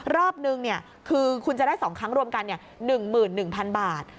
รอบนึงคือคุณจะได้๒ครั้งรวมกัน๑๑๐๐๐บาท